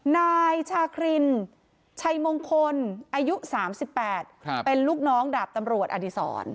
นายชาครินชัยมงคลอายุ๓๘เป็นลูกน้องดาบตำรวจอดีศร